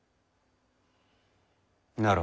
なら